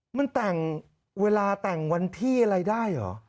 มันแต่งเวลาแต่งวันที่อะไรได้เหรอ